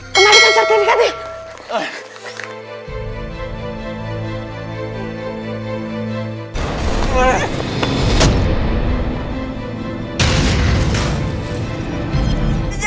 kemarin teman teman sertifikatnya